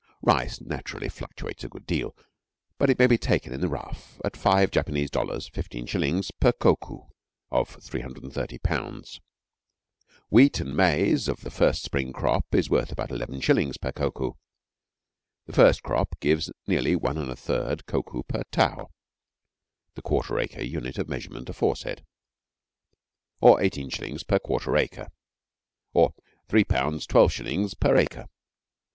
Rice naturally fluctuates a good deal, but it may be taken in the rough at five Japanese dollars (fifteen shillings) per koku of 330 lbs. Wheat and maize of the first spring crop is worth about eleven shillings per koku. The first crop gives nearly 1 3/4 koku per tau (the quarter acre unit of measurement aforesaid), or eighteen shillings per quarter acre, or £3:12s. per acre.